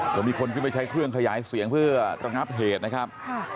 ก็มีคนขึ้นไปใช้เครื่องขยายเสียงเพื่อระงับเหตุนะครับ